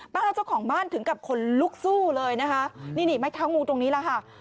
เจ้าของบ้านถึงกับคนลุกสู้เลยนะคะนี่นี่ไม้เท้างูตรงนี้แหละค่ะ